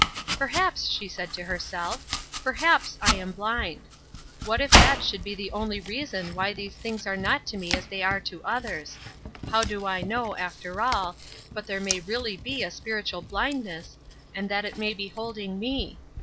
"Perhaps," she said to herself "perhaps I am blind. What if that should be the only reason why these things are not to me as they are to others. How do I know, after all, but there may really be a spiritual blindness, and that it may be holding me?